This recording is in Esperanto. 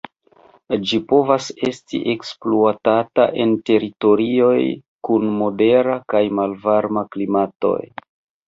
Ĝi povas esti ekspluatata en teritorioj kun modera kaj malvarma klimatoj.